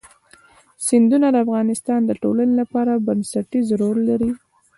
سیندونه د افغانستان د ټولنې لپاره بنسټيز رول لري.